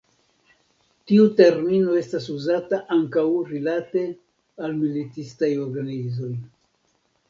Tiu termino estas uzata ankaŭ rilate al militistaj organizoj.